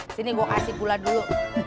sini gua kasih gula dulu